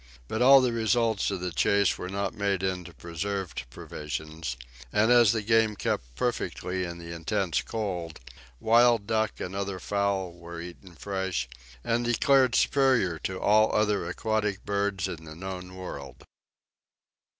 But all the results of the chase were not made into preserved provisions; and as the game kept perfectly in the intense cold, wild duck and other fowl were eaten fresh, and declared superior to all other aquatic birds in the known world.